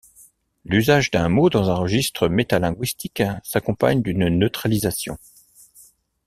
L'usage d'un mot dans un registre métalinguistique s'accompagne d'une neutralisation.